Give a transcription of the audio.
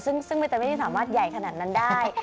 ซึ่งมันจะไม่ได้สามารถใหญ่ขนาดนั้นได้